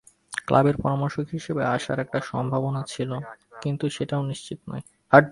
ক্লাবের পরামর্শক হিসেবে আসার একটা সম্ভাবনা ছিল, কিন্তু সেটাও নিশ্চিত নয়।